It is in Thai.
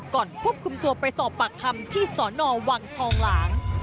ควบคุมตัวไปสอบปากคำที่สนวังทองหลาง